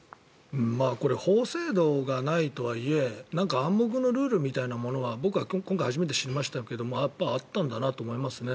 これ法制度がないとはいえ暗黙のルールみたいなものが僕は今回初めて知りましたけどやっぱりあったんだなと思いますね。